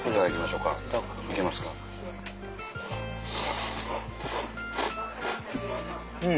うん。